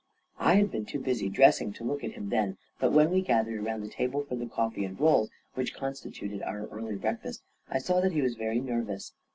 I had been too busy dressing to look at him then ; but when we gathered around the table for the coffee and rolls which constituted our early breakfast, I saw that he was very nervous.